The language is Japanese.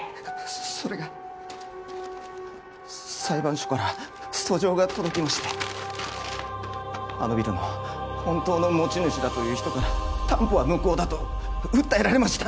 それが裁判所から訴状が届きましてあのビルの本当の持ち主だという人から担保は無効だと訴えられました！